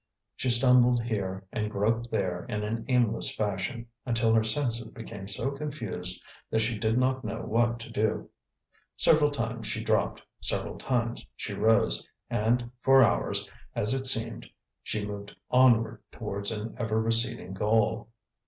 She stumbled here and groped there in an aimless fashion, until her senses became so confused that she did not know what to do. Several times she dropped, several times she rose, and for hours, as it seemed, she moved onward towards an ever receding goal.